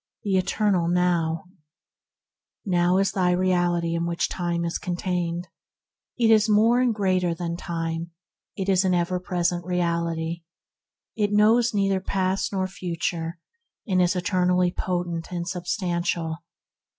THE ETERNAL NOW XjOW is the reality in which time is con *•^ tained. It is more and greater than time; it is an ever present reality. It knows neither past nor future, and is eternally potent and substantial.